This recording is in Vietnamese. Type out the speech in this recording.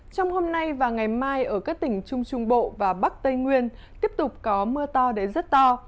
trong hôm nay và ngày mai ở các tỉnh trung trung bộ và bắc tây nguyên tiếp tục có mưa to đến rất to